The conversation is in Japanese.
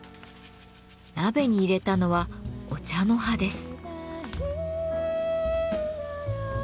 鍋に入れたのはお茶の葉です。